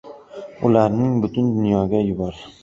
Ularni butun dunyoga yubor…